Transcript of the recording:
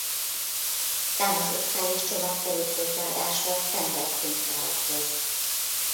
Számos osztály és csomag került hozzáadásra a sztenderd könyvtárakhoz.